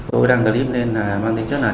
tôi đang đăng clip lên là mang tính chất này